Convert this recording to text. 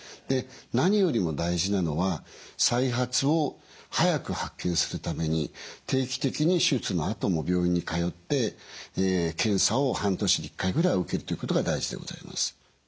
何よりも大事なのは再発を早く発見するために定期的に手術のあとも病院に通って検査を半年に１回ぐらい受けるということが大事でございます。